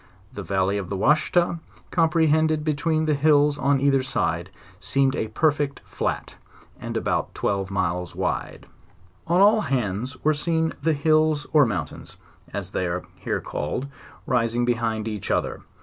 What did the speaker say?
The valley of the Washita, compre hended between the hills on either side, seemed a perfect flat, and about twelve miles wide. On all hands were seen the hills or mountains, as they are here called, rising behind each other.